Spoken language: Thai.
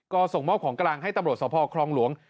ก็ส่งมอบของกลางให้ตำรวจสภครองหลวง